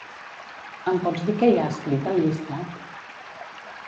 Em pots dir què hi ha escrit al llistat?